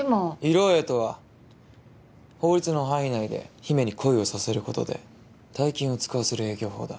色営とは法律の範囲内で姫に恋をさせることで大金を使わせる営業法だ。